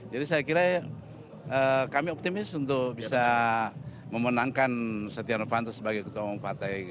jadi saya kira kami optimis untuk bisa memenangkan sotiano fanto sebagai ketua umum partai